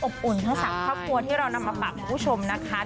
อบอุ่นทั้งสามครอบครัวที่เรานำมาปรับให้ผู้ชมนะคะ